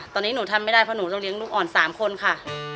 ตอนนี้หนูทำไม่ได้เพราะหนูเราเลี้ยลูกอ่อน๓คนค่ะ